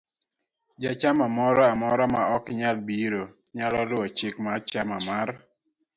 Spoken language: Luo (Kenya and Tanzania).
Jachamamoro amora ma ok nyal biro, nyalo luwo chik mar chama mar